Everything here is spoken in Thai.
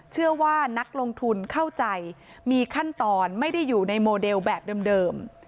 เชื่อว่านักลงทุนเข้าใจมีขั้นตอนไม่ได้อยู่ในโมเดลแบบเดิม